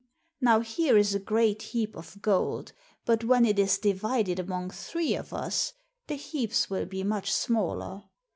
Now here is a great heap of gold, but when it is divided among three of us, the heaps will be much smaller.